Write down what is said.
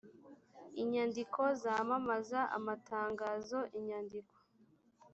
inyandiko zamamaza amatangazo inyandiko